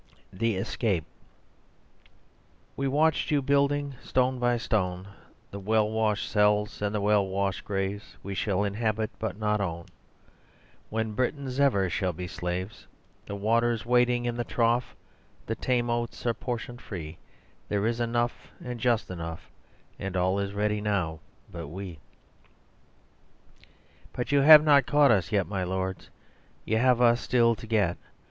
THE ESCAPE We watched you building, stone by stone, The well washed cells and well washed graves We shall inhabit but not own When Britons ever shall be slaves; The water's waiting in the trough, The tame oats sown are portioned free, There is Enough, and just Enough, And all is ready now but we. But you have not caught us yet, my lords, You have us still to get.